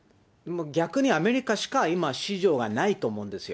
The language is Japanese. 逆にアメリカしか今、市場がないと思うんですよ。